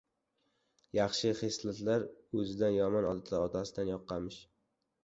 • Yaxshi xislatlar — o‘zidan, yomon odatlar otasidan yuqqanmish.